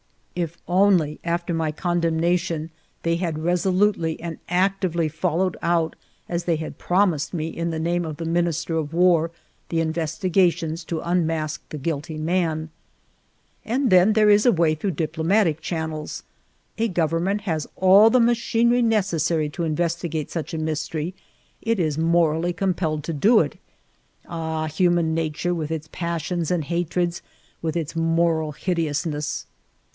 If only after my condemnation they had reso lutely and actively followed out, as they had promised me in the name of the Minister of War, the investigations to unmask the guilty man! i68 FIVE YEARS OF MY LIFE And then there is a way through diplomatic channels. A government has all the machinery necessary to investigate such a mystery ; it is morally com pelled to do it. Ahj human nature with its passions and hatreds, with its moral hideousness